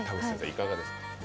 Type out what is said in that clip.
いかがですか。